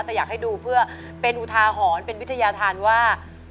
แต่อยากให้ดูเพื่อเป็นอุทาหรณ์เป็นวิทยาธารว่า